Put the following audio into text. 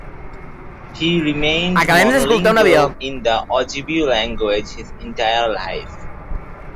He remained monolingual in the Ojibwe language his entire life.